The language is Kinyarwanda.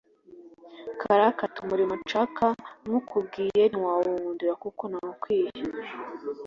karake, ati « umurimo nshaka nywukubwiye ntiwawunkundira kuko ntawukwiye.